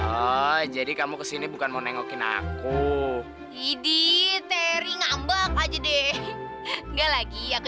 keren sih jadi kamu kesini bukan mau nengokin aku jadi teri ngambak aja deh nggak lagi aku